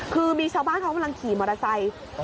คือมีชาวบ้านเขากำลังขี่มอเตอร์ไซค์